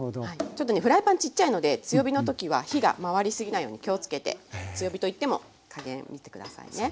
ちょっとねフライパンちっちゃいので強火の時は火が回り過ぎないように気をつけて強火といっても加減見て下さいね。